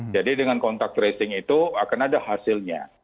jadi dengan kontak tracing itu akan ada hasilnya